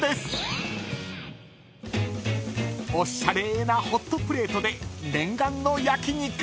［おっしゃれなホットプレートで念願の焼き肉］